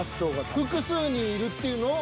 複数人いるっていうのを。